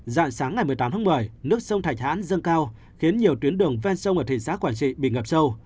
dạng sáng ngày một mươi tám tháng một mươi nước sông thạch hãn dâng cao khiến nhiều tuyến đường ven sông ở thị xã quảng trị bị ngập sâu